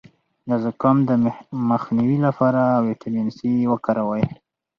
د زکام د مخنیوي لپاره ویټامین سي وکاروئ